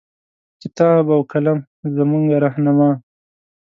کتاب او قلم زمونږه رهنما